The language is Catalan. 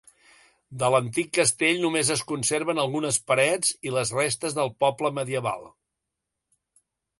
De l'antic castell només es conserven algunes parets i les restes del poble medieval.